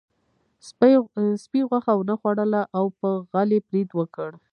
سپي غوښه ونه خوړله او په غل یې برید وکړ.